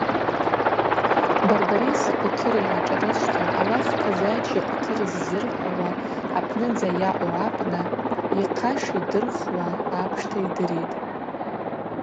Барбарис къвтыр йгӏашӏарышвта ауахь Казачий къвтыр зырхӏвауа апныдза йаъу абна йхъа шидырхуа апшта йдыритӏ.